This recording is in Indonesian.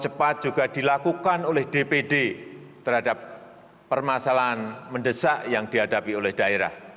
cepat juga dilakukan oleh dpd terhadap permasalahan mendesak yang dihadapi oleh daerah